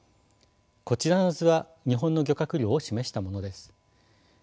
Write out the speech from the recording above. こちらの図は日本の漁獲量を示したものです。